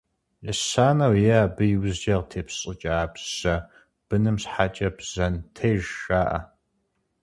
Ещанэу е абы и ужькӏэ къытепщӏыкӏа бжьэ быным щхьэкӏэ «бжьэнтеж» жаӏэ.